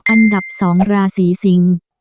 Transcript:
อันดับ๒ราศีสิง